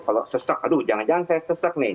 kalau sesek aduh jangan jangan saya sesek nih